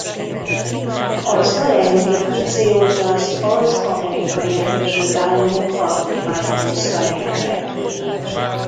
Az alelnöki funkciót az Az Amerikai Egyesült Államok alkotmánya hozta létre.